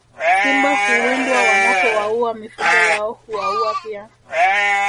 Simba huwindwa wanapowaua mifugo yao hwauwa pia